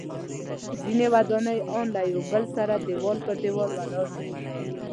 ځینې ودانۍ ان له یو بل سره دیوال په دیوال ولاړې دي.